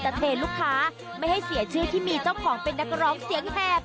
แต่เทลูกค้าไม่ให้เสียชื่อที่มีเจ้าของเป็นนักร้องเสียงแหบ